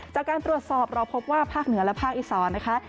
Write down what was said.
จากการตรวจสอบเราพบว่าภาคเหนือและภาคอีสานนะคะ